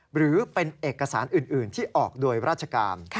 หรือเป็นเอกสารอื่นที่ออกโดยราชการ